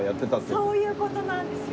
そういう事なんですよ。